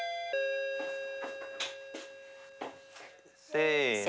せの。